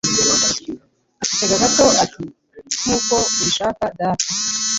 Aceceka gato ati: "Nkuko ubishaka, Data".